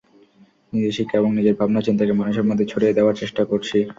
নিজের শিক্ষা এবং নিজের ভাবনা-চিন্তাকে মানুষের মধ্যে ছড়িয়ে দেওয়ার চেষ্টা করছি।